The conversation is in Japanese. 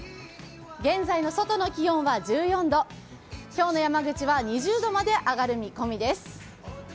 現在の外の気温は１４度、今日の山口は２０度まで上がる見込みです。